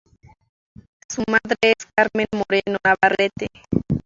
Su madre es Carmen Moreno Navarrete.